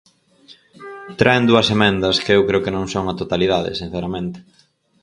Traen dúas emendas que eu creo que non son á totalidade, sinceramente.